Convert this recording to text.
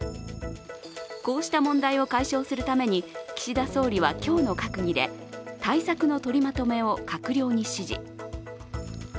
こうした問題を解消するために岸田総理は今日の閣議で対策のとりまとめを閣僚に指示。